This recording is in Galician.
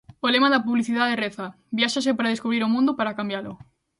O lema da publicidade reza: Viáxase para descubrir o mundo ou para cambialo?